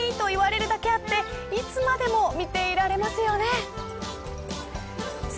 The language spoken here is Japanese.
世界で一番かわいいと言われるだけあっていつまでも見ていられますよね。